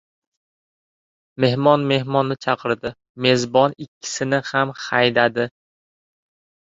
• Mehmon mehmonni chaqirdi, mezbon ikkisini ham haydadi.